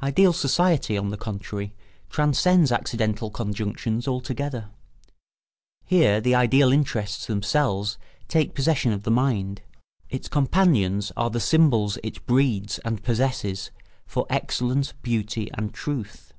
Ideal society, on the contrary, transcends accidental conjunctions altogether. Here the ideal interests themselves take possession of the mind; its companions are the symbols it breeds and possesses for excellence, beauty, and truth.